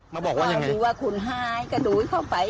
มาบอกว่าอย่างไร